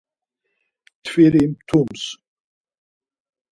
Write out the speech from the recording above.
Mtviri mtups.